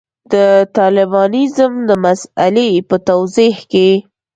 د طالبانیزم د مسألې په توضیح کې.